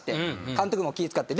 監督も気使って。